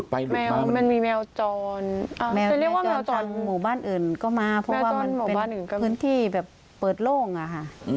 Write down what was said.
เพราะว่ามันเป็นพื้นที่แบบเปิดโล่งอะค่ะ